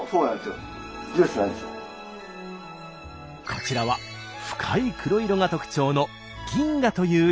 こちらは深い黒色が特徴の銀河という品種。